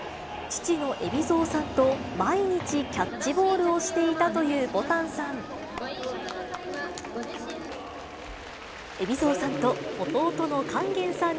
父の海老蔵さんと毎日キャッチボールをしていたというぼたんさん。